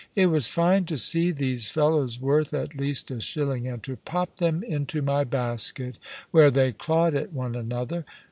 It was fine to see these fellows, worth at least a shilling, and to pop them into my basket, where they clawed at one another.